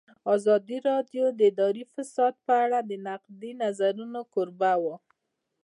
ازادي راډیو د اداري فساد په اړه د نقدي نظرونو کوربه وه.